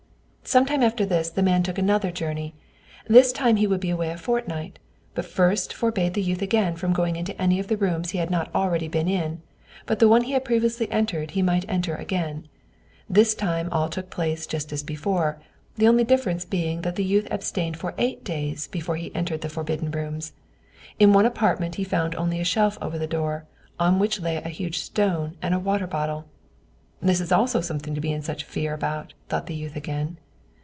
Some time after this, the man took another journey. This time he would be away a fortnight, but first forbade the youth again from going into any of the rooms he had not already been in; but the one he had previously entered he might enter again. This time all took place just as before, the only difference being that the youth abstained for eight days before he entered the forbidden rooms. In one apartment he found only a shelf over the door, on which lay a huge stone and a water bottle. "This is also something to be in such fear about," thought the youth again.